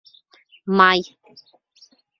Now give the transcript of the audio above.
— Май?